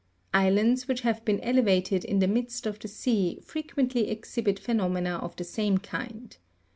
Islands which have been elevated in the midst of the sea frequently exhibit phenomena of the same kind.